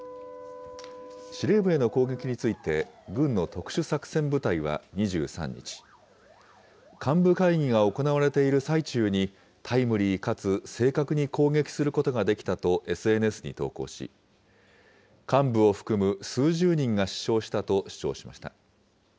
司令部への攻撃について、軍の特殊作戦部隊は２３日、幹部会議が行われている最中に、タイムリーかつ正確に攻撃することができたとＳＮＳに投稿し、幹部を含む数十人が死傷したと主張しました。